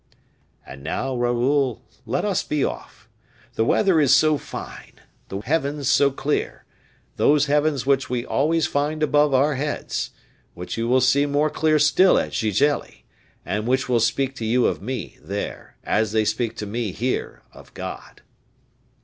"And now, Raoul, let us be off; the weather is so fine, the heavens so clear, those heavens which we always find above our heads, which you will see more clear still at Gigelli, and which will speak to you of me there, as they speak to me here of God."